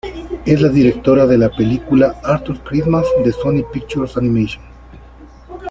Es la directora de la película Arthur Christmas de Sony Pictures Animation.